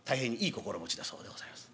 心持ちだそうでございます。